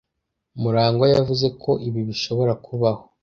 Murangwa yavuze ko ibi bishobora kubaho.